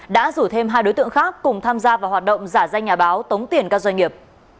đã rủ thêm hai đối tượng khác cùng tham gia vào hoạt động giả danh nhà báo tống tiền các doanh nghiệp